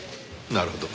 なるほど。